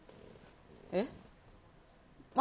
えっ。